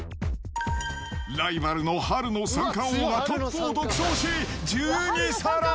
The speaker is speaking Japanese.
ライバルの春の三貫王はトップを独占し、１２皿。